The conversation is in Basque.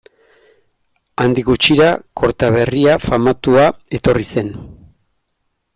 Handik gutxira, Kortaberria famatua etorri zen.